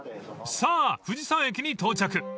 ［さあ藤沢駅に到着］